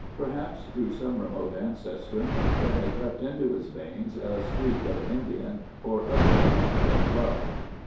Perhaps through some remote ancestor there had crept into his veins a streak of Indian or other wandering blood.